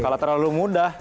kalau terlalu mudah